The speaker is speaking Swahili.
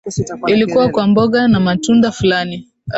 Ilikuwa kwa mboga na matunda fulani